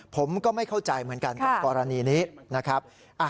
ผมก็ไม่เข้าใจเหมือนกันกับกรณีนี้นะครับ